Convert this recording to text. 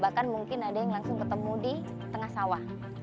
bahkan mungkin ada yang langsung ketemu di tengah sawah